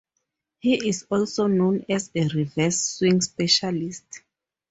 He is also known as a "reverse swing specialist".